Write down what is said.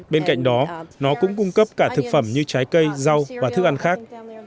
bên cạnh đó nó cũng cung cấp cả thực phẩm như trái cây rau và thức ăn khác